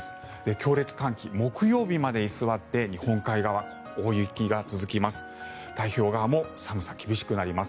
強烈寒気、木曜日まで居座って日本海側、大雪が続きます。